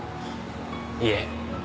いえ。